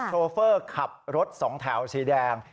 โฟเฟอร์ขับรถสองแถวสีแดง